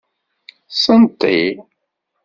Senṭi.